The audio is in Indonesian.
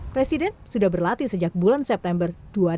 presiden sudah berlatih sejak bulan september dua ribu dua puluh